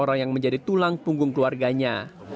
orang yang menjadi tulang punggung keluarganya